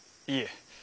いいえ。